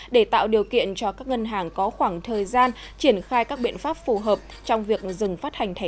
để tạo điều kiện cho các ngân hàng có khoảng thời gian triển khai các biện pháp phù hợp trong việc dừng phát hành thẻ